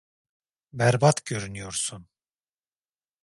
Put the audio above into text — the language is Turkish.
Berbat görünüyorsun.